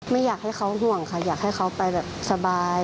ไม่อยากให้เขาห่วงค่ะอยากให้เขาไปแบบสบาย